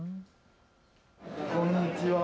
こんにちは。